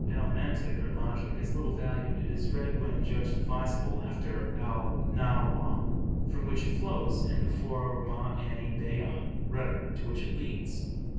Al Mantik (or logic) is little valued; it is read when judged advisable, after Al Nahw, from which it flows, and before Ma'ani Bayan (rhetoric) to which it leads.